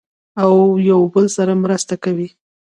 او یو بل سره مرسته کوي.